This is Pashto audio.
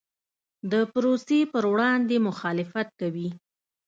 د پروسې پر وړاندې مخالفت کوي.